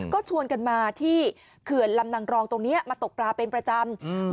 ก็ชวนกันมาที่เขื่อนลำนางรองตรงเนี้ยมาตกปลาเป็นประจำอืม